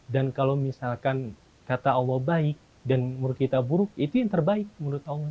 dan kalau misalkan kata allah baik dan menurut kita buruk itu yang terbaik menurut allah